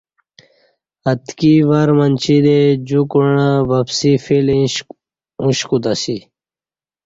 اتکی ور منچی دے جوکوعہ وپسی فیل اوش کوتہ سیہ